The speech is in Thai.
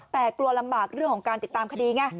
แต่กลัวลำบากเรื่องของการติดตามคดีไง